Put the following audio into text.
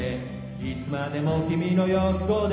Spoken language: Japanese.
いつまでも君の横で